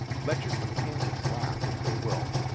Let your com panions laugh, if they will.